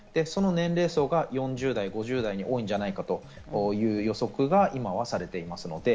その年齢層が４０代、５０代に多いんじゃないかという予測が今されています。